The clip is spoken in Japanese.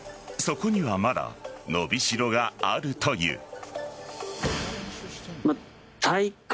そこにはまだ伸びしろがあるという。